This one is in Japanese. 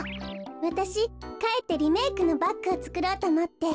わたしかえってリメークのバッグをつくろうとおもって。